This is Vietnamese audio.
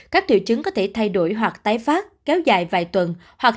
các triệu chứng có thể thay đổi hoặc tái phát kéo dài vài tuần hoặc